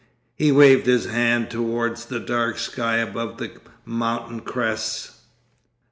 ...' He waved his hand towards the dark sky above the mountain crests.